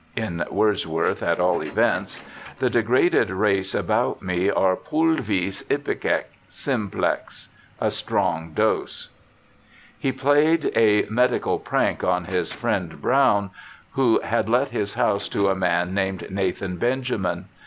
(in Wordsworth at all events) the degraded race about me are pulvis ipecac, simplex — a strong dose.' He played a medical prank on his friend Brown, who had let his house to a man named Nathan Benjamin.